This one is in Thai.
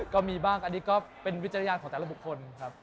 ก็มีบ้างอันนี้ก็เป็นวิจารณญาณของแต่ละบุคคลครับ